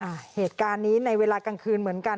อ่ะเหตุการณ์นี้ในเวลากลางคืนเหมือนกัน